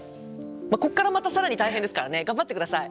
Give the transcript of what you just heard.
ここからまた更に大変ですからね頑張って下さい。